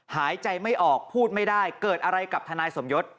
หายใจไม่ออกพูดไม่ได้เกิดอะไรกับทนายสมยศ